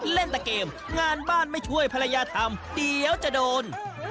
เล่นแต่เกมงานบ้านไม่ช่วยภรรยาทำเดี๋ยวจะโดน